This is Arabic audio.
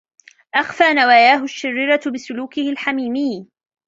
أخفى نواياه الشريرة بسلوكه الحميمي.